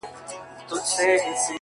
اوس ولي نه وايي چي ښار نه پرېږدو؛